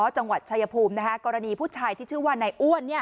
จังหวัดชายภูมินะฮะกรณีผู้ชายที่ชื่อว่าไหนอ้วนเนี่ย